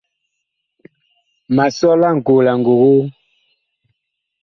Ma sɔ laŋkoo la ngogoo.